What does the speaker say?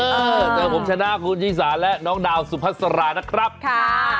เจอผมชนะคุณชิสาและน้องดาวสุพัสรานะครับค่ะ